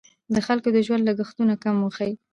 د خلکو د ژوند لګښتونه کم وښیي.